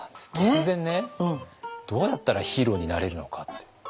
突然ねどうやったらヒーローになれるのかって。